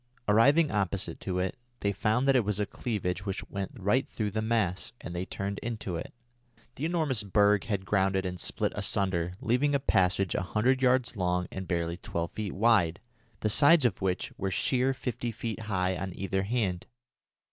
Arriving opposite to it, they found that it was a cleavage which went right through the mass, and they turned into it. The enormous berg had grounded and had split asunder, leaving a passage a hundred yards long and barely twelve feet wide, the sides of which were sheer fifty feet high on either hand.